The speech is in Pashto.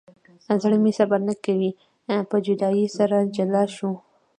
زړه مې صبر نه کوي په جدایۍ سره جلا شول.